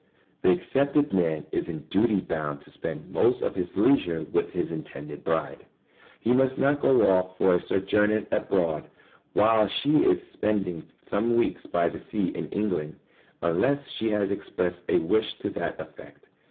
] The accepted man is in duty bound to spend most of his leisure with his intended bride. He must not go off for a sojourn abroad while she is spending some weeks by the sea in England, unless she has expressed a wish to that effect.